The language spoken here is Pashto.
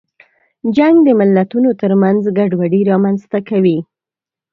جنګ د ملتونو ترمنځ ګډوډي رامنځته کوي.